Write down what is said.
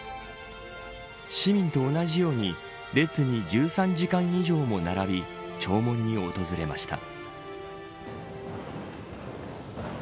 市民と同じように列に１３時間以上も並び弔問に訪れました。